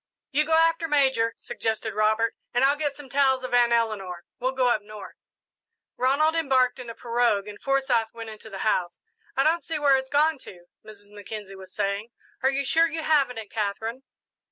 "You go after Major," suggested Robert, "and I'll get some towels of Aunt Eleanor. We'll go up north." Ronald embarked in a pirogue and Forsyth went into the house. "I don't see where it's gone to," Mrs. Mackenzie was saying. "Are you sure you haven't it, Katherine?"